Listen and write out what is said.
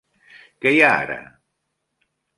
Què hi ha ara?